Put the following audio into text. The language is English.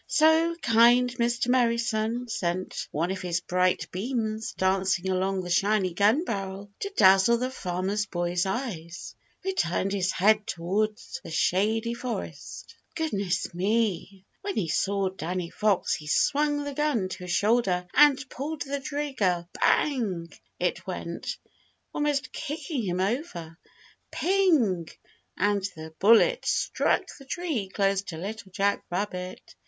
So kind Mr. Merry Sun sent one of his bright beams dancing along the shiny gun barrel to dazzle the Farmer Boy's eyes, who turned his head toward the Shady Forest. Goodness me! When he saw Danny Fox he swung the gun to his shoulder and pulled the trigger. Bang! it went, almost kicking him over. Ping! and the bullet struck the tree close to Little Jack Rabbit.